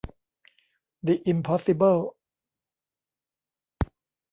ดิอิมพอสสิเบิ้ล